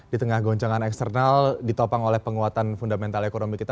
di tengah goncangan eksternal ditopang oleh penguatan fundamental ekonomi kita